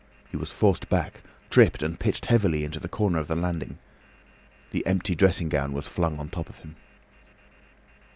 He was forced back, tripped and pitched heavily into the corner of the landing. The empty dressing gown was flung on the top of him.